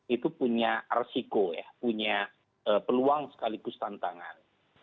itu punya resiko ya punya peluang sekaligus tantangan